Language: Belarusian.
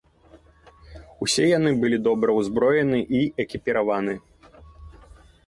Усе яны былі добра ўзброены і экіпіраваны.